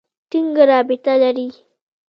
ټینګه رابطه لري.